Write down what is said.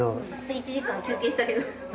１時間休憩したけど。